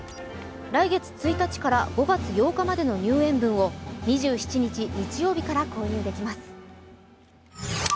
来月１日から５月８日までの入園分を２７日日曜日から購入できます。